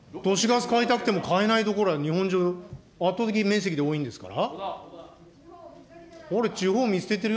都市ガス買いたくても買えない所は日本中、圧倒的に面積で多いんですから。